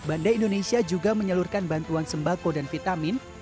banda indonesia juga menyalurkan bantuan sembako dan vitamin